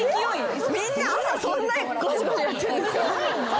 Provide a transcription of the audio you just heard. みんな朝そんなにゴシゴシやってんですか？